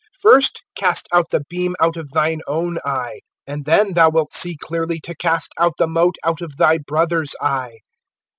first cast out the beam out of thine own eye; and then thou wilt see clearly to cast out the mote out of thy brother's eye.